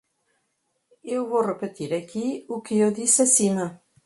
Eu vou repetir aqui o que eu disse acima.